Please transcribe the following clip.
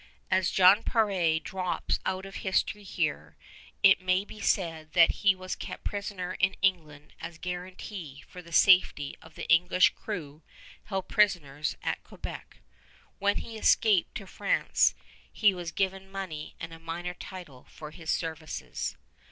As Jan Peré drops out of history here, it may be said that he was kept prisoner in England as guarantee for the safety of the English crew held prisoners at Quebec. When he escaped to France he was given money and a minor title for his services.